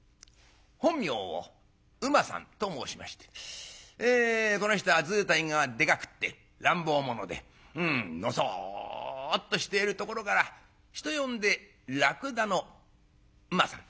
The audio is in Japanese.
本名を「馬」さんと申しましてこの人は図体がでかくって乱暴者でのそっとしているところから人呼んで「らくだの馬さん」。